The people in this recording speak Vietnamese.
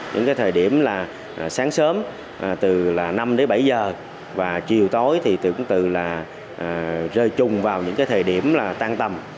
những cái thời điểm là sáng sớm từ là năm đến bảy giờ và chiều tối thì tương tự là rơi chung vào những cái thời điểm là tan tầm